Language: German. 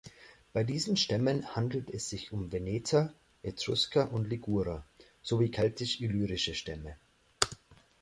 Bei diesen Stämmen handelt es sich um Veneter, Etrusker und Ligurer, sowie keltisch-illyrische Stämme.